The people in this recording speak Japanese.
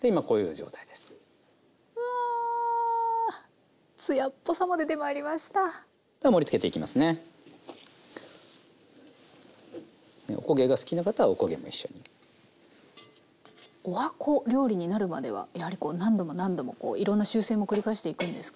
十八番料理になるまではやはりこう何度も何度もこういろんな修正も繰り返していくんですか？